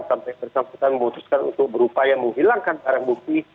sampai bersangkutan memutuskan untuk berupaya menghilangkan barang bukti